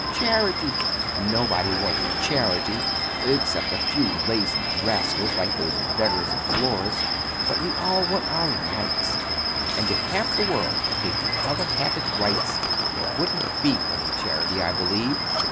Charity! Nobody wants charity—except a few lazy rascals like those beggars of Flora's! But we all want our rights. And if half the world gave the other half its rights there wouldn't be any charity, I believe."